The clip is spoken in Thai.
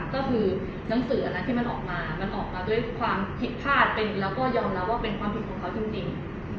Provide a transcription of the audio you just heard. ก็คือหนังสืออะไรที่มันออกมามันออกมาด้วยความผิดพลาดแล้วก็ยอมรับว่าเป็นความผิดของเขาจริง